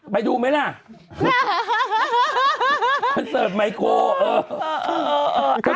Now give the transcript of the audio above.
พี่หนุ่ยอามพลไมโครอ่ะนะ